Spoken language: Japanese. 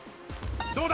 どうだ？